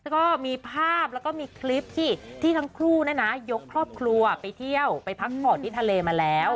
แล้วก็มีภาพแล้วก็มีคลิปที่ที่ทั้งคู่ยกครอบครัวไปเที่ยวไปพักผ่อนที่ทะเลมาแล้ว